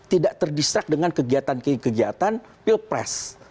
tidak terdistrak dengan kegiatan kegiatan pilpres